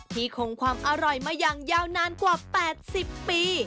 คงความอร่อยมาอย่างยาวนานกว่า๘๐ปี